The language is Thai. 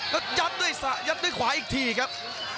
และยับด้วยขวาอีกทีครับ